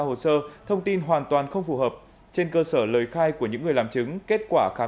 hồ sơ thông tin hoàn toàn không phù hợp trên cơ sở lời khai của những người làm chứng kết quả khám